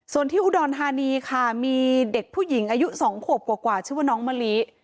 ส่วนที่อุดรธานีค่ะมีเด็กผู้หญิงอายุ๒ขวบกว่าชื่อว่าน้องมะลิ